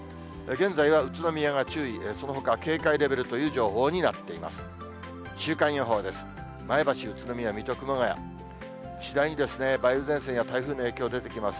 現在は宇都宮が注意、そのほかは警戒レベルという情報になっています。